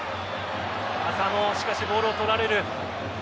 浅野、しかしボールを取られる。